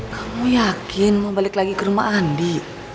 kamu yakin mau balik lagi ke rumah andi